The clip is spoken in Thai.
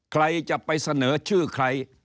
ใครจะไปเสนอชื่อใคร